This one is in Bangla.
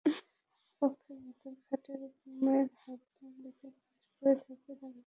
কক্ষের ভেতরে খাটের ওপর মায়ের হাত-পা বাঁধা লাশ পড়ে থাকতে দেখা যায়।